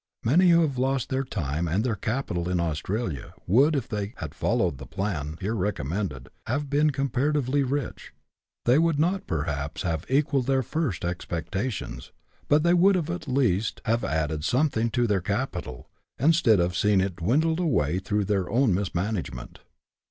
Many who have lost their time and their capital in Australia would, if they had followed the plan here recommended, have been comparatively rich ; they would not perhaps have equalled their first expectations, but they would at least have added something to their capital, instead of seeing it dwindle away through their own mismanagement.